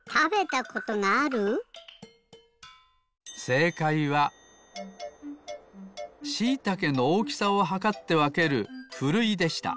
せいかいはしいたけのおおきさをはかってわけるふるいでした。